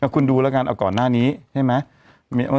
คุณดูแล้วกันเอาก่อนหน้านี้ใช่ไหม